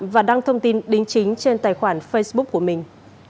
và đăng thông tin đính chính trên tài khoản facebook của mình